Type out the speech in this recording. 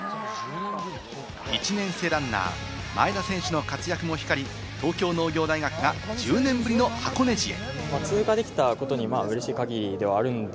１年生ランナー・前田選手の活躍も光り、東京農業大学が１０年ぶりの箱根路へ。